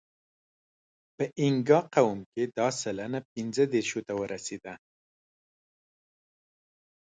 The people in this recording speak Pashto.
په اینګا قوم کې دا سلنه پینځهدېرشو ته رسېده.